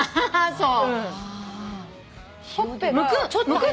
そう。